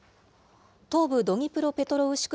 東部ドニプロペトロウシク